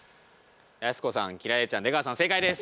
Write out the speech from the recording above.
やす子さん輝星ちゃん出川さん正解です。